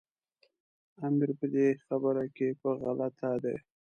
امیر په دې خبره کې په غلطه دی.